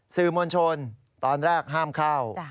สื่อมวลชนตอนแรกห้ามเข้า